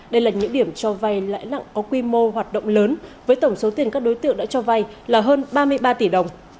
đây là những điểm cho vay lãi nặng có quy mô hoạt động lớn với tổng số tiền các đối tượng đã cho vay là hơn ba mươi ba tỷ đồng